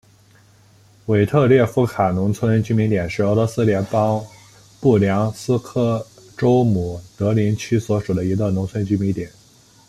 韦特列夫卡农村居民点是俄罗斯联邦布良斯克州姆格林区所属的一个农村居民点。